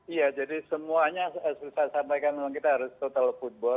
iya jadi semuanya seperti saya sampaikan memang kita harus total football